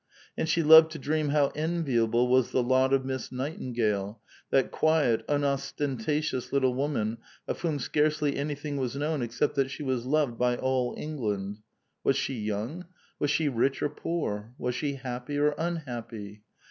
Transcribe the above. And she loved to dream how enviable was the lot of Miss Nightingale, that quiet, unostentatious little woman, of whom scarcely anything was known except that she was loved by all England. Was she young? Was she rich or poor? Was she happy or unhappy?